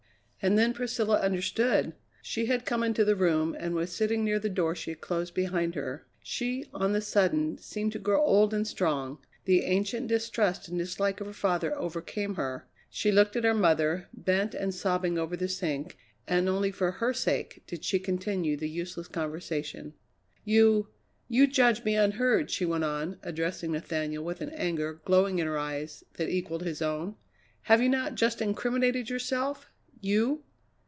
And then Priscilla understood! She had come into the room and was sitting near the door she had closed behind her. She, on the sudden, seemed to grow old and strong; the ancient distrust and dislike of her father overcame her; she looked at her mother, bent and sobbing over the sink, and only for her sake did she continue the useless conversation. "You you judge me unheard!" she went on, addressing Nathaniel with an anger, glowing in her eyes, that equalled his own. "Have you not just incriminated yourself you!"